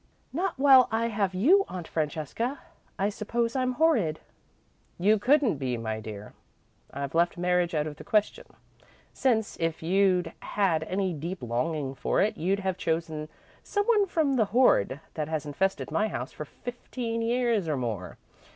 "Not while I have you, Aunt Francesca. I suppose I'm horrid." "You couldn't be, my dear. I've left marriage out of the question, since, if you'd had any deep longing for it, you'd have chosen some one from the horde that has infested my house for fifteen years and more.